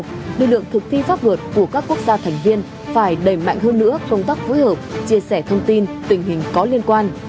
tuy nhiên lực lượng thực thi pháp luật của các quốc gia thành viên phải đẩy mạnh hơn nữa công tác phối hợp chia sẻ thông tin tình hình có liên quan